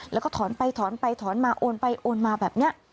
แล้วก็ถอนไปถอนไปถอนมาโอนไปโอนมาแบบนี้